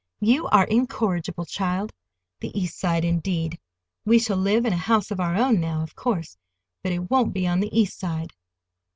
"You are incorrigible, child. The East Side, indeed! We shall live in a house of our own, now, of course—but it won't be on the East Side."